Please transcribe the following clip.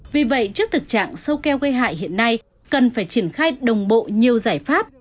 vì vậy trước thực trạng sâu keo gây hại hiện nay cần phải triển khai đồng bộ nhiều giải pháp